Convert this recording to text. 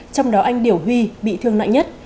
trong đó anh điểu huy bị thương nặng nhất